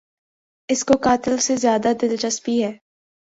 اس کو قاتل سے زیادہ دلچسپی ہے۔